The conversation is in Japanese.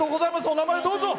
お名前をどうぞ。